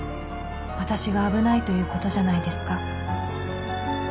「私が危ないということじゃないですか」